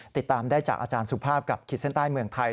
ติดตามได้จากอาจารย์สุภาพกับขีดเส้นใต้เมืองไทย